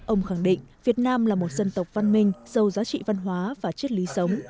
ông khẳng định việt nam là một dân tộc văn minh sâu giá trị văn hóa và chất lý sống